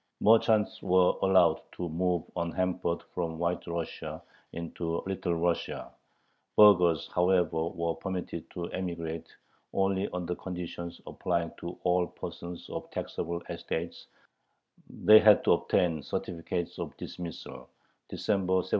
Merchants were allowed to move unhampered from White Russia into Little Russia. Burghers, however, were permitted to emigrate only on the conditions applying to all persons of the taxable estates they had to obtain certificates of dismissal (December, 1796).